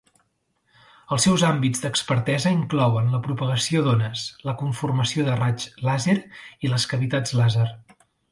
Els seus àmbits d'expertesa inclouen la propagació d'ones, la conformació de raigs làser i les cavitats làser.